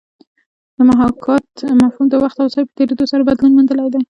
د محاکات مفهوم د وخت او ځای په تېرېدو سره بدلون موندلی دی